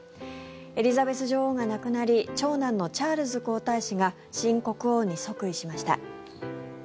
エリザベス女王が亡くなり長男のチャールズ皇太子が新国王に即位しました。